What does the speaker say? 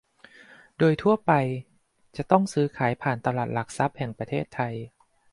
โดยทั่วไปจะต้องซื้อขายผ่านตลาดหลักทรัพย์แห่งประเทศไทย